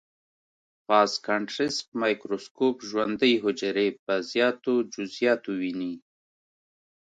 فاز کانټرسټ مایکروسکوپ ژوندۍ حجرې په زیاتو جزئیاتو ويني.